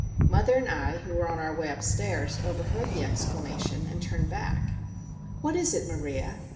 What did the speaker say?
Mother and I, who were on our way upstairs, overheard the exclamation and turned back. "What is it, Maria?"